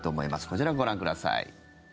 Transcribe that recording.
こちら、ご覧ください。